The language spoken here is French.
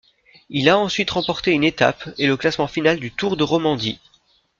Il à ensuite remporté une étape et le classement final du Tour de Romandie.